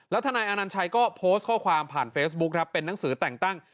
ทนายอนัญชัยก็โพสต์ข้อความผ่านเฟซบุ๊คครับเป็นหนังสือแต่งตั้ง